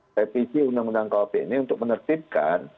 revisi undang undang kuhp ini untuk menertibkan